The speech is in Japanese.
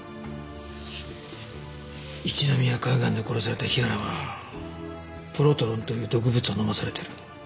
一宮海岸で殺された日原はプロトロンという毒物を飲まされている。